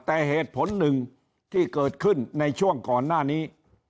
แต่เหตุผลหนึ่งที่เกิดขึ้นในช่วงก่อนหน้านี้